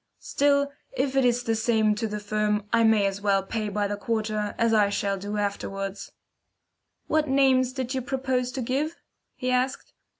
"Still, if it is the same to the firm, I may as well pay by the quarter, as I shall do afterwards." "What names did you propose to give?" he asked.